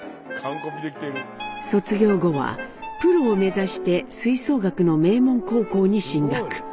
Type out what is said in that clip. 卒業後はプロを目指して吹奏楽の名門高校に進学。